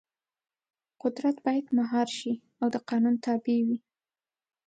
قدرت باید مهار شي او د قانون تابع وي.